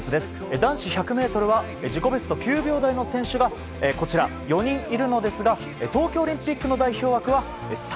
男子１００ｍは自己ベスト９秒台の選手が４人いるのですが東京オリンピックの代表枠は３。